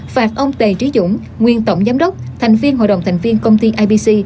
phạt ông t trí dũng nguyên tổng giám đốc thành viên hội đồng thành viên công ty ipc